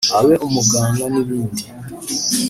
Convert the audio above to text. abe umuganga n’ ibindi